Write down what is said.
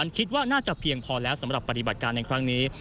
คิดว่าน่าจะเพียงพอแล้วสำหรับปฏิบัติการในครั้งนี้